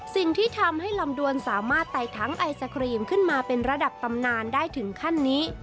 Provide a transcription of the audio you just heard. สิ่งที่ทำให้ลำดวนสามารถไต่ทั้งไอศครีมขึ้นมาเป็นระดับตำนานได้ถึงขั้นนี้